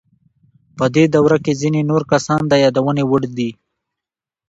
په دې دوره کې ځینې نور کسان د یادونې وړ دي.